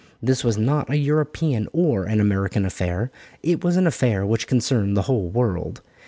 This was not a European or an American affair; it was an affair which concerned the whole world.